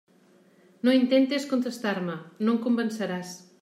No intentes contestar-me; no em convenceràs.